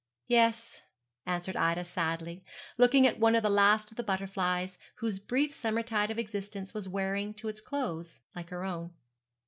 'Yes,' answered Ida, sadly, looking at one of the last of the butterflies, whose brief summertide of existence was wearing to its close, like her own.